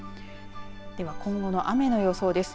では今後の雨の予想です。